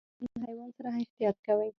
د هغه بل حیوان سره احتياط کوئ .